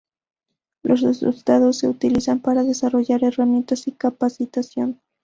Los resultados se utilizan para desarrollar herramientas y capacitación.